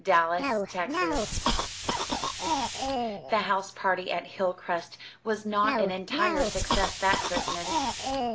CHAPTER XXX The house party at Hilcrest was not an entire success that Christmas.